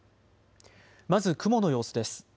まず雲の様子です。